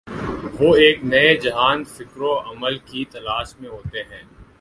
وہ ایک نئے جہان فکر و عمل کی تلاش میں ہوتے ہیں۔